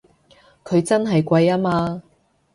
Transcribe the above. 佢真係貴吖嘛！